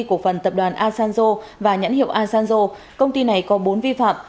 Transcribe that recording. cổ phần tập đoàn asanzo và nhãn hiệu asanjo công ty này có bốn vi phạm